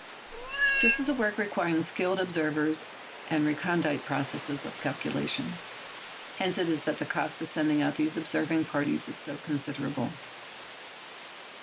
This is a work requiring skilled observers and recondite processes of calculation. Hence it is that the cost of sending out these observing parties is so considerable.